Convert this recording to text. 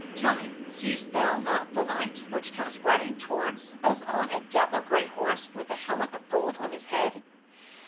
"Tell me, seest thou not the knight which comes riding towards us on a dapple grey horse, with a helmet of gold on his head?'